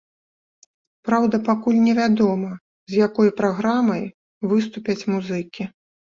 Праўда, пакуль не вядома, з якой праграмай выступяць музыкі.